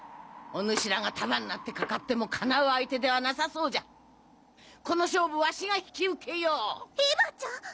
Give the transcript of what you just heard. お主らが束になってかかってもかなう相手ではなさそうじゃこの勝負わしが引き受けようひいばあちゃん！